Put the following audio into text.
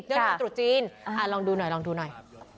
เรื่องนี้ตรุจจีนลองดูหน่อยลองดูหน่อย